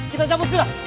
kita campur sudah